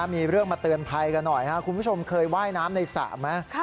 มีเรื่องมาเตือนภัยกันหน่อยครับคุณผู้ชมเคยว่ายน้ำในสระไหม